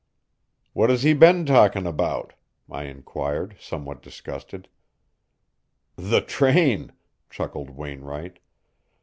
"What has he been talking about?" I inquired, somewhat disgusted. "The train," chuckled Wainwright.